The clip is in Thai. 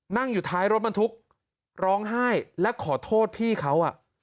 นั่งอยู่ท้ายรถบรรทุกร้องไห้และขอโทษพี่เขา